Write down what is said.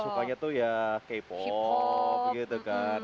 sukanya tuh ya k pop gitu kan